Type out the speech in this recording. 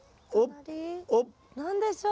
何でしょう？